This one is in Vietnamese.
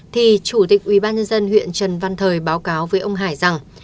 thì chủ tịch ubnd huyện trần văn thời báo cáo với ông hải rằng